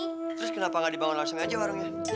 terus kenapa nggak dibangun langsung aja warungnya